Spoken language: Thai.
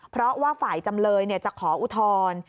เพราะว่าฝ่ายจำเลยจะขออุทธรณ์